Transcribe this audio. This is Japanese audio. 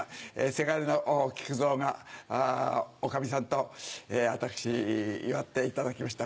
せがれの木久蔵がおかみさんと私祝っていただきました。